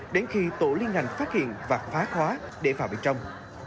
đến khi tổ liên ngành phát hiện và phá khóa để vào bên trong